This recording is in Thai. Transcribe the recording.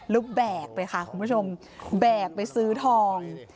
แล้วแบกไปค่ะคุณผู้ชมแบกไปซื้อทอง